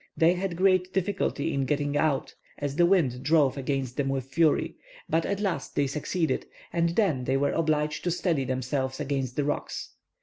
They had great difficulty in getting out, as the wind drove against them with fury, but at last they succeeded, and then they were obliged to steady themselves against the rocks.